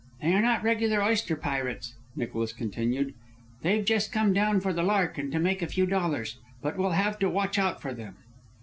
"They are not regular oyster pirates," Nicholas continued. "They've just come down for the lark and to make a few dollars. But we'll have to watch out for them."